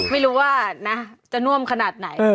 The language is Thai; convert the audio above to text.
ไม่รู้ว่านะจะน่วมขนาดไหน